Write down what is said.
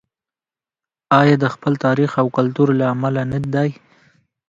آیا د خپل تاریخ او کلتور له امله نه دی؟